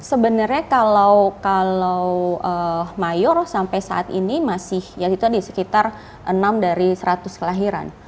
sebenarnya kalau mayor sampai saat ini masih di sekitar enam dari seratus kelahiran